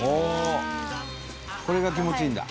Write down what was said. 「これが気持ちいいんだ？」